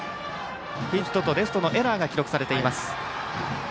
ヒットとレフトのエラーが記録されています。